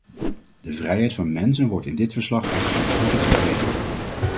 De vrijheid van mensen wordt in dit verslag echter met voeten getreden.